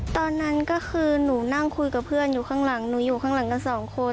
ตอนนั้นก็คือหนูนั่งคุยกับเพื่อนอยู่ข้างหลังหนูอยู่ข้างหลังกันสองคน